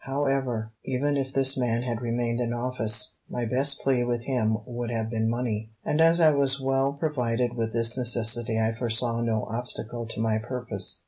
However, even if this man had remained in office, my best plea with him would have been money, and as I was well provided with this necessity I foresaw no obstacle to my purpose.